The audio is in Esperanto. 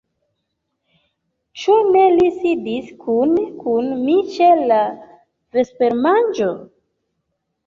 Ĉu ne li sidis kune kun mi ĉe la vespermanĝo?